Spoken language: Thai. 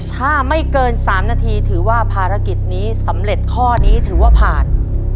ถ้าไม่เกิน๓นาทีถือว่าภารกิจนี้สำเร็จข้อนี้ถือว่าผ่าน